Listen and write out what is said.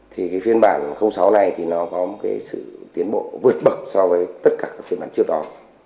hai nghìn hai thì cái phiên bản sáu này thì nó có một cái sự tiến bộ vượt bậc so với tất cả các phiên bản trước đó